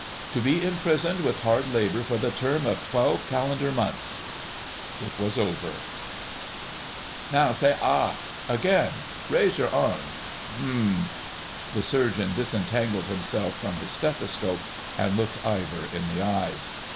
"... to be imprisoned with hard labour for the term of twelve calendar months." It was over. "Now say 'Ah!' ... Again! ... Raise your arms ... H'm." The Surgeon disentangled himself from his stethoscope and looked Ivor in the eyes.